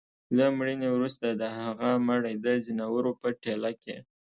له مړيني وروسته د هغه مړى د ځناورو په ټېله کي